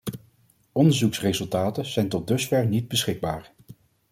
Onderzoeksresultaten zijn tot dusver nog niet beschikbaar.